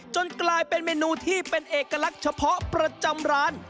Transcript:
กลายเป็นเมนูที่เป็นเอกลักษณ์เฉพาะประจำร้าน